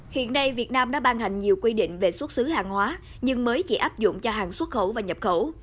hiện nay việt nam đã ban hành nhiều quy định về xuất xứ hàng hóa nhưng mới chỉ áp dụng cho hàng xuất khẩu và nhập khẩu